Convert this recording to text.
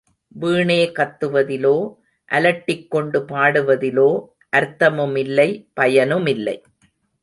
வீணே கத்துவதிலோ, அலட்டிக் கொண்டு பாடுவதிலோ அர்த்தமுமில்லை பயனுமில்லை.